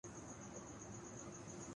کر منظم کرنا شروع کر دیا ہے۔